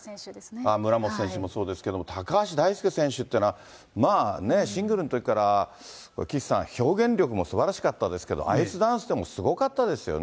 村元さんです、高橋大輔選手っていうのは、まあね、シングルのときから岸さん、表現力もすばらしかったですけど、アイスダンスでもすごかったですよね。